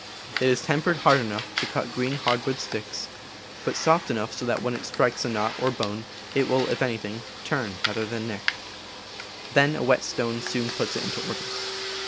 It is tempered hard enough to cut green hardwood sticks, but soft enough so that when it strikes a knot or bone it will, if anything, turn rather than nick; then a whetstone soon puts it in order.